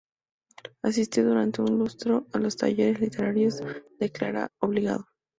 Asistió durante un lustro a los talleres literarios de Clara Obligado.